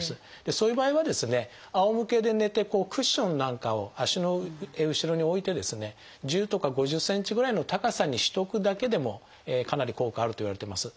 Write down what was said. そういう場合はですねあおむけで寝てクッションなんかを足の後ろに置いてですね１０とか５０ｃｍぐらいの高さにしておくだけでもかなり効果があるといわれています。